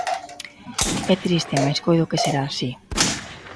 É triste mais coido que será así.